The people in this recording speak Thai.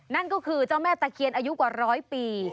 นั่นก็คือเจ้าแม่ตะเคียนอายุกว่าร้อยปี